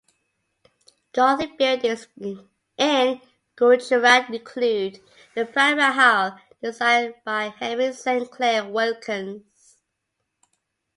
Gothic buildings in Gujarat include the Prag Mahal designed by Henry Saint Clair Wilkins.